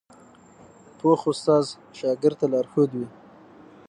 پوخ استاد شاګرد ته لارښود وي